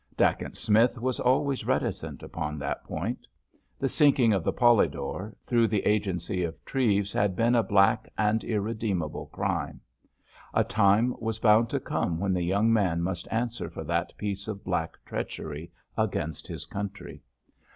Dacent Smith was always reticent upon that point. The sinking of the Polidor through the agency of Treves had been a black and irredeemable crime. A time was bound to come when the young man must answer for that piece of black treachery against his country.